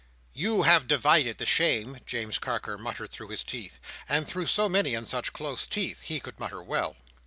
"You have divided the shame," James Carker muttered through his teeth. And, through so many and such close teeth, he could mutter well.